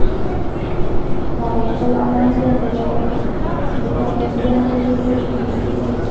ما غوښتل ارام ژوند ولرم نو ګاونډیان مې نه دي لیدلي